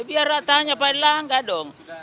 biar ratanya pak erlang nggak dong